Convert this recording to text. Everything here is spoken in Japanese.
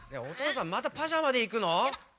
おとうさんまたパジャマでいくの？